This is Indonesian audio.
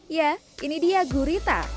ya ini dia gurita